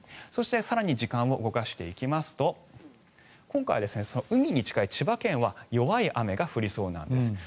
そして更に時間を動かしていきますと今回、海に近い千葉県は弱い雨が降りそうなんです。